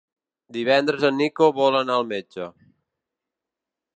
Divendres en Nico vol anar al metge.